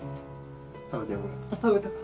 食べたか。